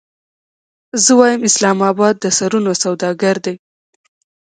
زه وایم اسلام اباد د سرونو سوداګر دی.